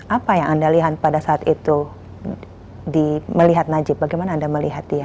apa yang anda lihat pada saat itu melihat najib bagaimana anda melihat dia